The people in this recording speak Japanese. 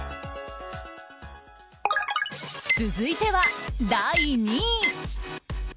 続いては第２位！